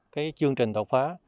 các chương trình độc phá